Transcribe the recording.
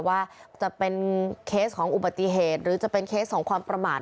ว่าจะเป็นเคสของอุบัติเหตุหรือจะเป็นเคสของความประมาท